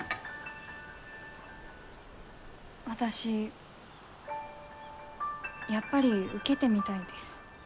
私やっぱり受けてみたいです。